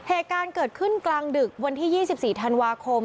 เหตุการณ์เกิดขึ้นกลางดึกวันที่๒๔ธันวาคม